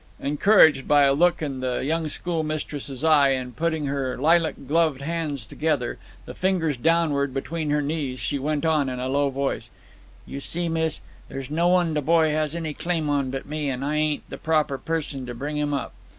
Encouraged by a look in the young schoolmistress's eye, and putting her lilac gloved hands together, the fingers downward, between her knees, she went on, in a low voice: "You see, miss, there's no one the boy has any claim on but me, and I ain't the proper person to bring him up.